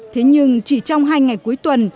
thế nhưng chỉ trong hai ngày cuối tuần